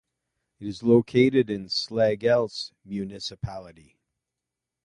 It is located in Slagelse Municipality.